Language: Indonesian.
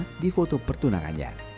untuk foto pertunangannya